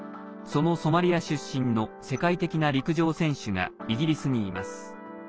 そのソマリア出身の世界的な陸上選手がイギリスにいます。